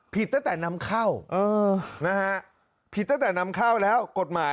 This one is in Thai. ผิดตั้งแต่นำเข้าผิดตั้งแต่นำเข้าแล้วกฎหมาย